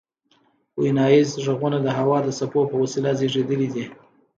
ویناییز غږونه د هوا د څپو په وسیله زیږیدلي دي